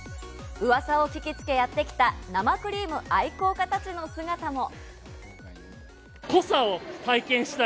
噂を聞きつけやってきた生クリーム愛好家たちの姿も。